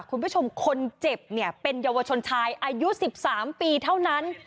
คุณผู้ชมคนเจ็บเนี่ยเป็นเยาวชนชายอายุ๑๓ปีเท่านั้น